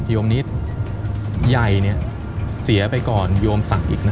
โยมนิดใหญ่เนี่ยเสียไปก่อนโยมศักดิ์อีกนะ